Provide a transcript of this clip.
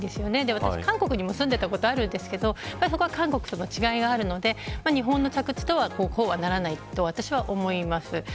私、韓国にも住んでいたことがありますがそこは韓国との違いがあるので日本の着地はこうはならないと思います。